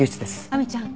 亜美ちゃん